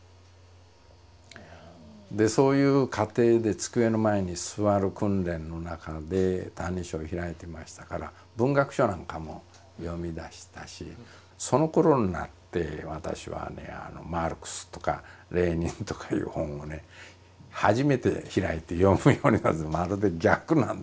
でそういう過程で机の前に座る訓練の中で「歎異抄」開いてましたから文学書なんかも読みだしたしそのころになって私はねマルクスとかレーニンとかいう本をね初めて開いて読むようにまるで逆なんですね。